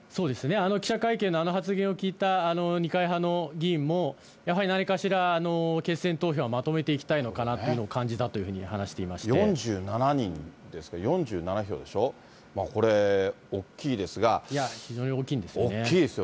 あの記者会見のあの発言を聞いた二階派の議員も、やはり、何かしらの決選投票はまとめていきたいのかなというのは感じたと４７人ですから、４７票でしいや、非常に大きいんですよ